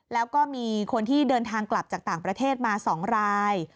แล้วก็มีคนที่เดินทางกลับจากต่างประเทศมา๒ราย